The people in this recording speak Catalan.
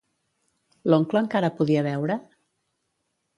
L'oncle encara podia veure?